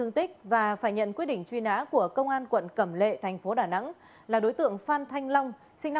quyết nhận quyết truy nã của công an quận cầm lệ thành phố đà nẵng là đối tượng fan thanh long sinh năm một nghìn chín trăm sáu mươi tám